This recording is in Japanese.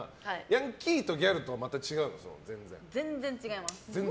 ヤンキーとギャルとは全然違います。